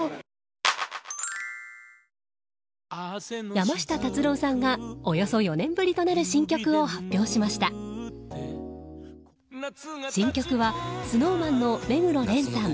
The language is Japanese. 山下達郎さんがおよそ４年ぶりとなる新曲はＳｎｏｗＭａｎの目黒蓮さん